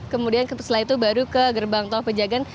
kemudian setelah itu baru ke gerbang tol pejagaan